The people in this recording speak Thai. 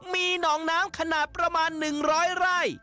มีหนองน้ำขนาดประมาณ๑๐๐ไร่